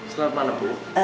selamat malam bu